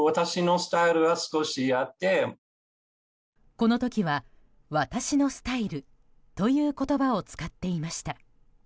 この時は私のスタイルという言葉を使っていました。